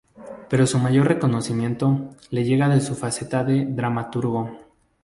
Pero su mayor reconocimiento le llega de su faceta de dramaturgo.